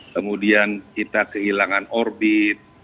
kemudian kita kehilangan orbit